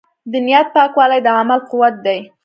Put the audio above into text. د نیت پاکوالی د عمل قوت دی.